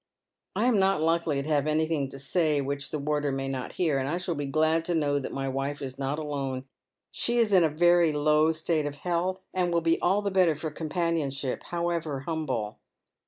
"I am not likely to have anything to say which the warder may not hear ; and I shall be glad to know that my wife is not alone. She is in a very low state of health, and will be all the Detter for companionship, however humble."